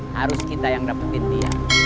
harus kita yang dapetin dia